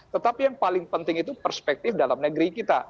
tetapi yang paling penting itu perspektif dalam negeri kita